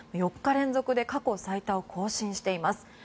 ４日連続で過去最多を更新しています。